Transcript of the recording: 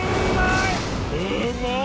うまい！